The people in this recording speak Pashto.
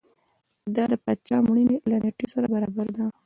دا د پاچا مړینې له نېټې سره برابره ده.